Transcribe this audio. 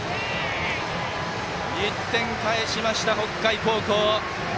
１点返しました、北海高校！